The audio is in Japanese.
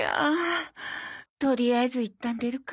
とりあえずいったん出るか。